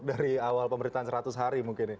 dari awal pemerintahan seratus hari mungkin